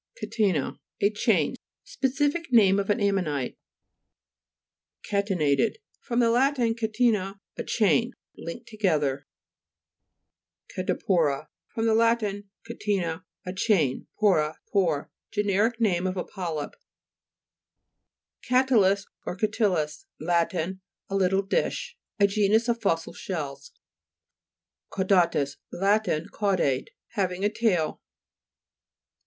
CATE'NA Lat. A chain. Specific name of an ammonite (p. 152). CA'TENATED fr. lat. catena, a chain. Linked together. CATEXIPO'RA fr. lat. catena, a chain, pora, pore. Generic name of a polyp (p. 31). CA'TYIUS or CATILLUS Lat. A little dish. A genus of fossil shells (p. 74). CAUDA'TUS Lat. Caudate ; having a tail.